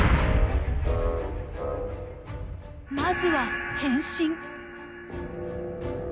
まずは変身！